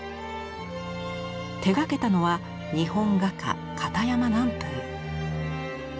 手がけたのは日本画家堅山南風。